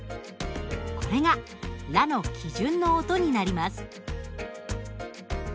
これがラの基準の音になります。